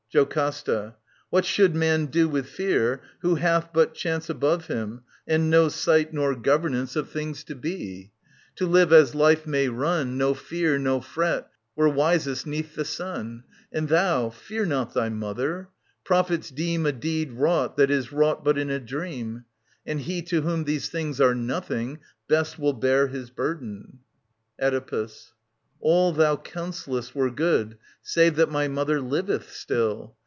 JoCASTA. What should man do with fear, who hath but Chance Above him, and no sight nor governance 55 SOPHOCLES TV. 979 993 . Of things to be ? To live as life may run, No fear, no fret, were wisest 'neath the sun. And thou, fear not thy mother. Prophets deem A deed wrought that is wrought but in a dream. And he to whom these things are nothing, best Will bear his burden. Oedipus. All thou counsellest Were good, save that my mother liveth still.